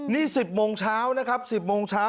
นี่๑๐โมงเช้านะครับ๑๐โมงเช้า